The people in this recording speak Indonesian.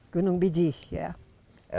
gunung bijih ya